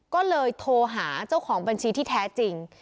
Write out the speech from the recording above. ก็เลยโทรหาเจ้าของบัญชีที่แท้จริง